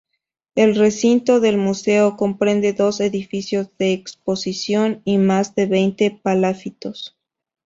El recinto del museo comprende dos edificios de exposición y más de veinte palafitos.